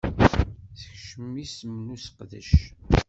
Sekcem isem n useqdac